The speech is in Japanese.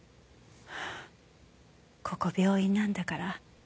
ここ病院なんだから。